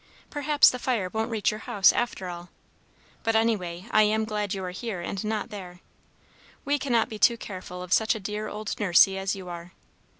Perhaps the fire won't reach your house, after all. But, anyway, I am glad you are here and not there. We cannot be too careful of such a dear old Nursey as you are.